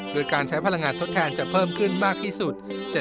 โดยการใช้พลังงานทดแทนจะเพิ่มขึ้นมากที่สุด